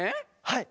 はい！